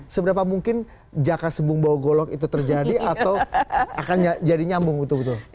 seberapa mungkin jaka sembung bawa golok itu terjadi atau akan jadi nyambung betul betul